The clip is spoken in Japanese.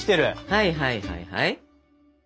はいはいはいはい。